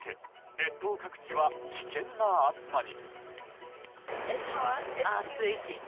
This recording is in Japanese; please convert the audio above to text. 列島各地は危険な暑さに。